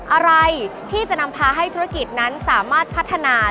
อะไรที่จะนำพาให้ธุรกิจนั้นสามารถพัฒนา